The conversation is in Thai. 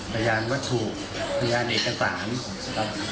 พยายามว่าถูกพยายามเอกสาร